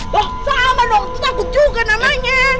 wah sama dong takut juga namanya